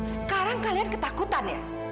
sekarang kalian ketakutannya